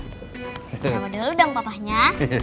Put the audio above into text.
coba dulu dong papahnya